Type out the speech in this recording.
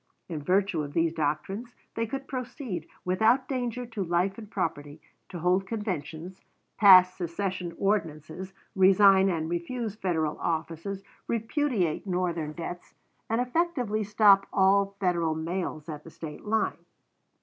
In virtue of these doctrines, they could proceed, without danger to life and property, to hold conventions, pass secession ordinances, resign and refuse Federal offices, repudiate Northern debts, and effectively stop all Federal mails at the State line.